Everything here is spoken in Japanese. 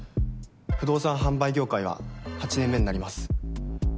不動産販売業界は８年目になります。